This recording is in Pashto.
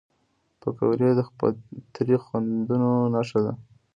پکورې د فطري خوندونو نښه ده